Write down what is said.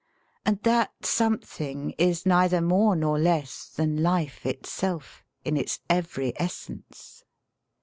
And that something is neither more nor less than life itself in its every essence.